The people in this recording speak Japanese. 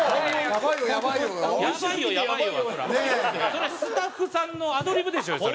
それスタッフさんのアドリブでしょうよそれ。